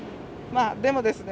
でもですね